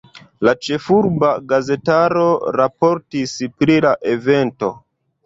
La ĉefurba gazetaro raportis pri la evento.